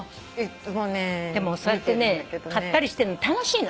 そうやって買ったりしてるの楽しいの。